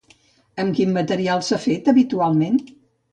Amb quin material s'ha fet, habitualment?